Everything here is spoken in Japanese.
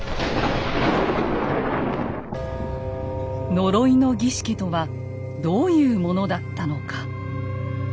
呪いの儀式とはどういうものだったのか。